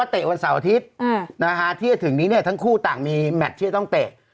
ที่จะถึงนี้เนี่ยทั้งคู่ต่างมีแมตต์ที่จะต้องเตะ